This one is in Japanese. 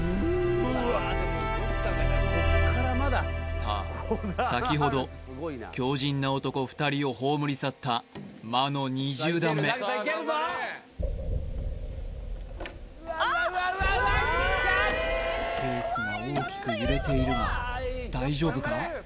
さあ先ほど強じんな男２人を葬り去った魔の２０段目ケースが大きく揺れているが大丈夫か？